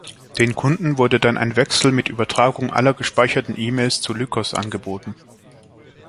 Den Kunden wurde dann ein Wechsel mit Übertragung aller gespeicherten E-Mails zu Lycos angeboten.